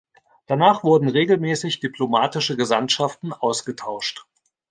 Danach wurden regelmäßig diplomatische Gesandtschaften ausgetauscht.